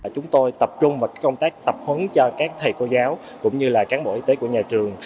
chúng tôi tập trung vào công tác tập huấn cho các thầy cô giáo cũng như là cán bộ y tế của nhà trường